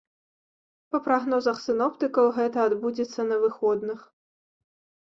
Па прагнозах сіноптыкаў, гэта адбудзецца на выходных.